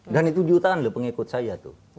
dan itu jutaan pengikut saya